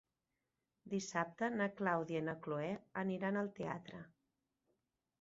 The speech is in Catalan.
Dissabte na Clàudia i na Cloè aniran al teatre.